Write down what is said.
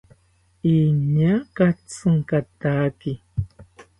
Iñaa katsinkataki